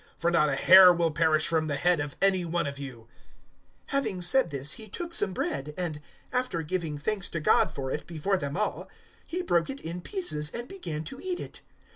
For not a hair will perish from the head of any one of you." 027:035 Having said this he took some bread, and, after giving thanks to God for it before them all, he broke it in pieces and began to eat it.